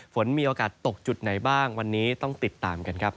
ฝนมีโอกาสตกจุดไหนบ้างวันนี้ต้องติดตามกันครับ